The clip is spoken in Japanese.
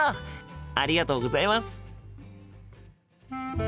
ありがとうございます。